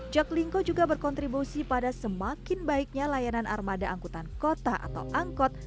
jaklingko juga berkontribusi pada semakin baiknya layanan armada angkutan kota atau angkot